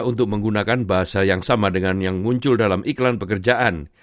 untuk menggunakan bahasa yang sama dengan yang muncul dalam iklan pekerjaan